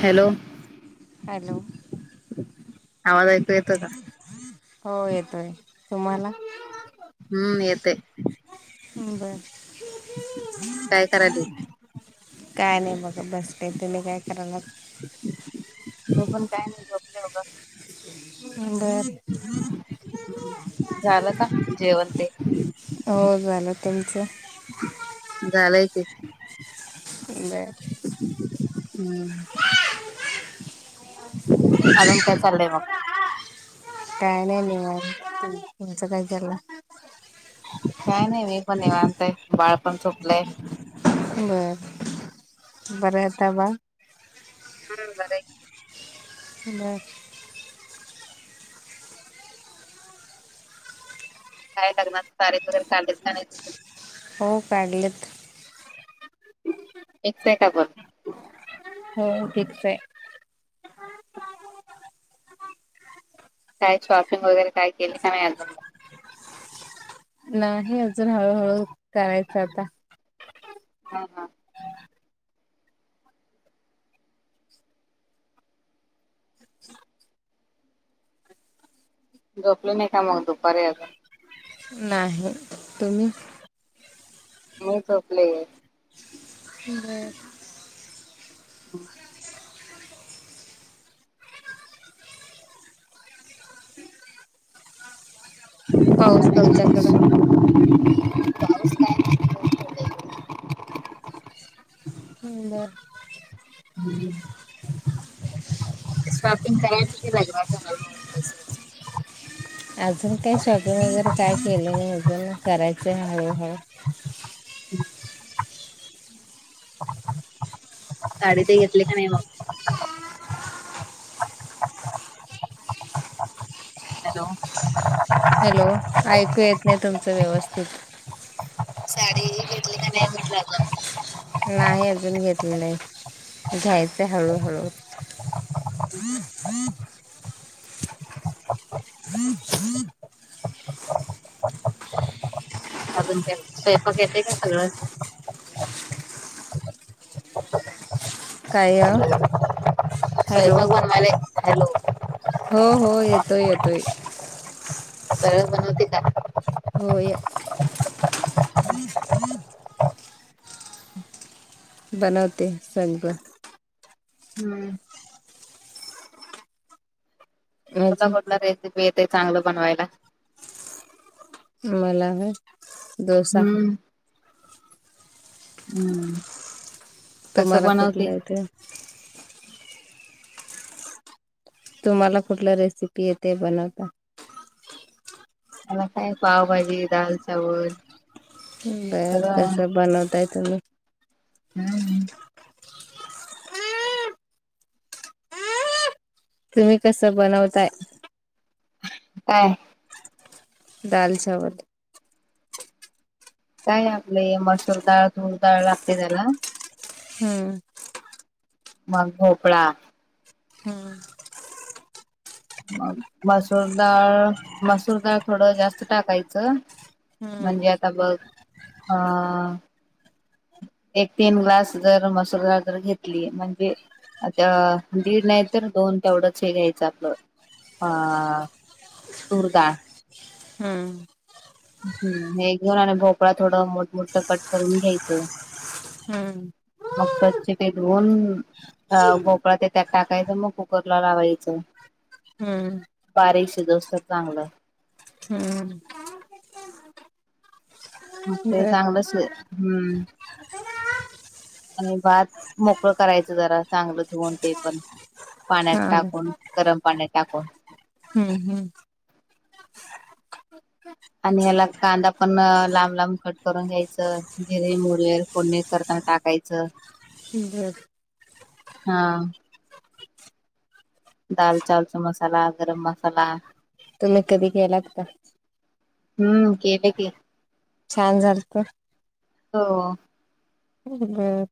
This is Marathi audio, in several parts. हॅलो हॅलो, आवाज ऐकू येतो का? होय, येतोय. तुम्हाला? हम्म येते हम्म, बराय. काय करायली काय नाही बघ बसले. तुम्ही काय करायलात? तो पण काय नाही बग. झालं का. जेवण ते? हो झालं. तुमचं? झालंय की. बर. हम्म. अलूनून काय चाल आहे मग. टय नाही मच कायला. काय नाही मी पण नि, निवांत बाळ पण झोपलाय. बरं बरंता ब बरो बर. म. काय लाग्नात, तारीख वगैरे काढले नाही. हो, काढलेत. एक सेकाब. हो ठीिकस आहे. काय शॉपिंग वगैरे काय केली का, नाय अजून मग नाही अजून हळूहळू करायचं आता. हां हां.. झोपले नाही का मग दुपारी अजून. नाही तुम्ही, मी झोपले इंग्रेड हम्. पाऊस तुमच्याकडं [inaudible] नाही. नबर [inaudible] शॉपिंग करायचं क लग्नाचं हळूहळू तसच. अजून काय शॉपिंग वगैरे काय केलं नाही अजून करायचं हळूहळू. साडे ते घेतले का नाही मग? हॅलो.. हॅलो ऐकू येत नाही तुमचं व्यवस्थित. साडी घेतली का नाही म्हटलं अजून. नाही अजून घेतले नाही घ्यायचं हळूहळू. हम हमम,, हम् हम्म [inaudible] अजून का स्वयंपाक येतय का सगळं. काय? हॅलो हॅलो स्वयंपाक बनवायला हॅलो. हो हो येतोय येतोय. सरळ बनवते का. हो. बनवते सगळ. हम्म तुला अजून कुठला रेसिपी येते चांगलं बनवायला. मला दोसा.. हम्म हम्म. कसं तुम्हाला बनवते कुठला आहे ते. तुम्हाला कुठला रेसिपी आहेेते बनवता. मला काय पावभाजी दाल चावल. बस सगळं बनतय त. हम्म तुम्ही कसं बनवताय. काय? दाल चचावल. काय आपलं मसूर डाळ ूळ डाळ लागते त्याला. हम्. मग भोपळा. हम्. मग मसूरडाळ मसूरडाळ थोडं जास्त टाकायचं. हम्म म्हणजे आता बघ अ. एक तीन ग्लास जर मसलदार जर घेतली म्हणजे आता दीड नाही तर दोन तेवढंच हे घ्यायचं आपलं अ. तूर दळ. हम्म हम् हे घेऊन आणि भोपळा थोडं मोठमोठ कट करून घ्यायचं. हम्म मग स्वच्छ पटवन. अ गोकळा ते त्यात टाकायचं मग कुकरला लावायचं. हम्म. बारीकशी दोसत चांगलं. हम्. ते बर चांगलंच हम्म. आणि भात मोकळं करायचं जरा चांगलं धुवन ते पण. पाण्यात हा टाकून गरम पाण्यात टाकून. हम्म हम्म. आणि ह्याला कांदा पण लांब लांब कट करून घ्यायचं जिरे मुरवेर. कोणी करताना टाकायचं. ठीक. हा. दाल चचावलचा मसाला गरम मसाला. तुम्ही कधी घ्यालात का? हम्म केले क. छान झालं तर हो. हमम.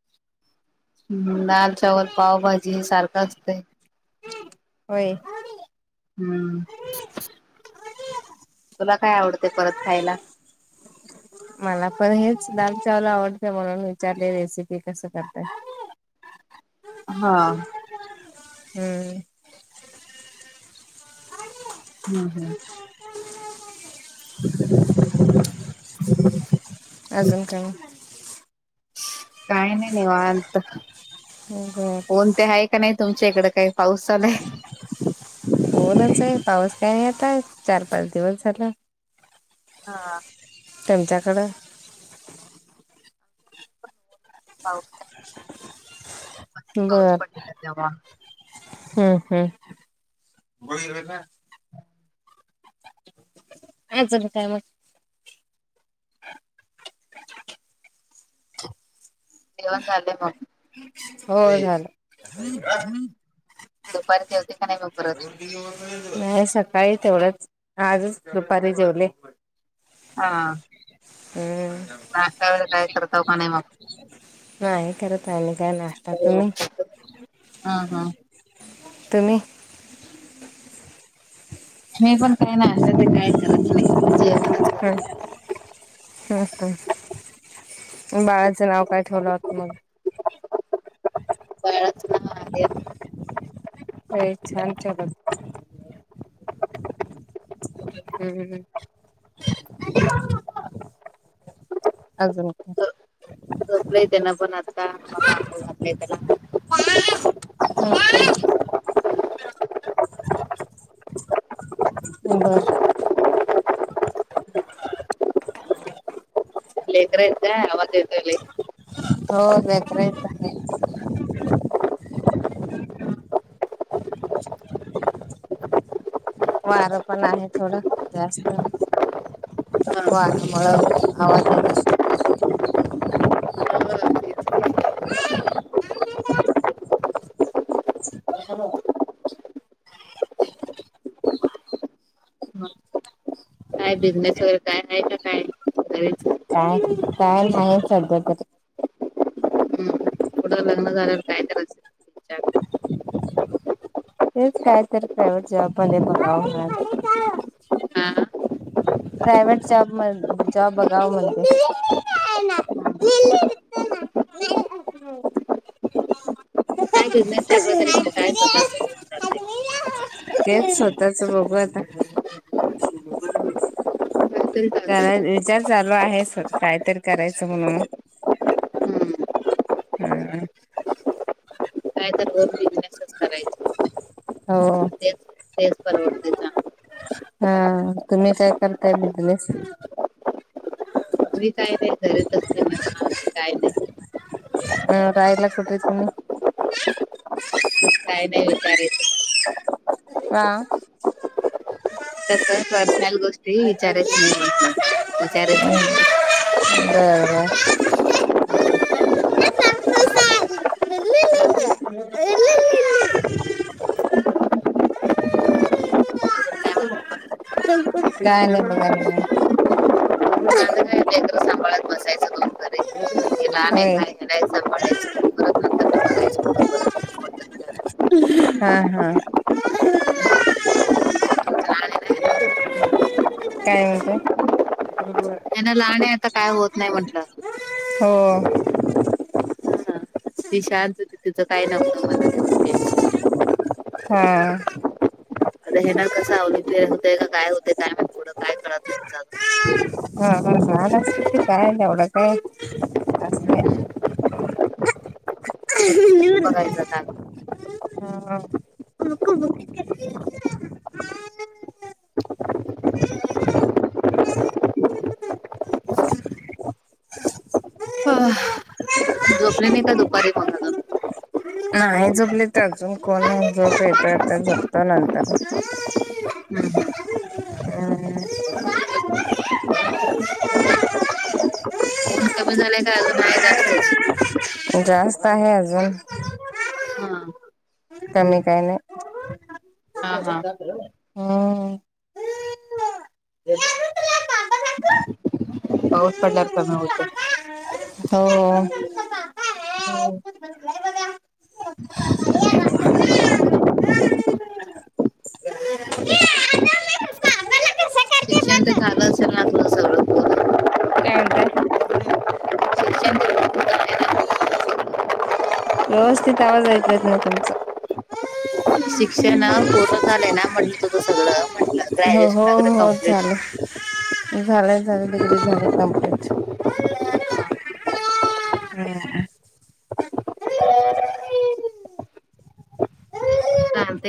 हम्म दाल चावल पावभाजी सारखा असतंय. होय. हम्म. तुला काय आवडते परत खायला. मला पण हेच दाल चावल आवडते म्हणून विचारले रेसिपी कसं करतय. हा. हम्. हम्म हम्. [unintelligible] अजून काही काही नाही नाही वात. ह् ह. कोण ते आहे का नाही तुमच्या इकड काही पाऊस चालाय. ओनच आहे पाऊस काय नाही आताय चार पाच दिवस झाला. हां. तमच्याकड पाऊ पडलेला तेव्हा बर हम्म हम्म. आजल काय मग देऊन झालेय मग हो झालं. दुपारी जेवती का नाहीग बर. नाही, सकाळी तेवढंच आजच दुपारी जेवले. हा. हम्म. नाश्त्या वे काय करताव का नाही मग. नाही करत आम्ही काय नाश्ता तुम्ही. हा हा. तुम्ही. मी पण काही नाही असं ते काय करत नाही. जेवणच हम. हम् हम्, बाळाचं नाव काय ठेवलं मग. बाळच ना अ छान ठेवलं. हम्म. अजून का. य त्याना पण आता बघा आपण घातलंय त्याला. प प [unintelligible] हो बर. अल् इत्र येत आवत् येतली. हो बके. वारं पण आहे, थोडं जास्त. मग वा मळ हवा देत. परथां म [unintelligible] काय बिझनेस वगैरे काय आहे. का काय करायच. काय काय नाही सध्या तरी. पुढं लग्न झाल्या वर काय त्यात. तेच काय तर प्रायव्हेट जॉबमध्ये बघा. हा प्रायव्हेट जॉब म जॉब बघाव म्हणजे. काय बिझनेस टाकलं तरी म्हण काय स्वतःच. जातंय. तेच स्वतःच बघू आता. काहीतरी कराय टाकायचं विचार चालू आहे. कायतरी करायचं म्हणून हम्म हम्म. काय तर होम बिजनेसच करायचा. हो. तेच परावडते. हा, तुम्ही काय करताय बिजनेस? मी काय नाही क. हा राहायला कुठे आहे तुम्ही. तस काय नाही बाई. चारेत. हा. तसं पर्सनल गोष्टी विचारायचं नाही. म्हंटलं विचारायचं नाही. बर बर. अजून काय म्हणते मग काय मग आणि काय. माझं लेकरं सांभाळत बसायचं दोन घरी आता हे लहान आहे होय काय ह्यालाही सांभाळायचं परत नंतर बघायचं पुढं परत मोठं झाल्यावर हा हा. लहान आहे ना काय म्हणतोय. त्यांना लहान आहे आता काय होत नाही म्हंटलं. हो. हा ती शांत होती तिचं काय नव्हत. हा. अर हेना कस वलिफे होतय काय होतेय काय म्हण एवढं काय कळत नाही. हा ह झाड कायल उडक असय. [unintelligible] बघायचं झालं. हा हा. हा. झोपल्याने का दुपारी मग अजून? नाही जपले त्या अजून कोणी झोप येत आता झपतो नंतर. हम्म. हम्म. हम्म. ऊन कमी झालेय का अजून आहे जास्तच? जास्त आहे अजून. हा. कमी काही नाही हा हा. हम्म. या. पाऊस पडल्यावर कमी होते. हो हो. हो. अरे वा. [unintelligible] शिक्षण झालं असेल ना? तुझं सगळं पूर्ण? काय म्हणताय. शिक्षण व्यवस्थित आवाज ऐकेत नाही तुमचा? शिक्षण पूर्ण झालेय ना म्हटलं तुझं सगळं म्हटलं हो हो ग्रॅज्युएशन वगैरे हो कम्प्लीट? चालेल. झालंय झालं डिग्री झालेय कमप्लीट. हा हा. ह. ह. चालत.